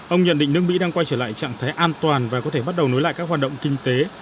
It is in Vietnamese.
ông nhận định nước mỹ đang quay trở lại trạng thái an toàn và có thể bắt đầu nối lại các hoạt động kinh tế